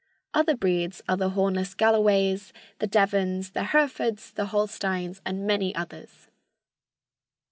Other breeds are the hornless Galloways, the Devons, the Herefords, the Holsteins and many others.